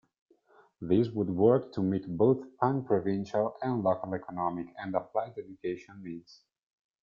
This would work to meet both pan-provincial and local economic and applied education needs.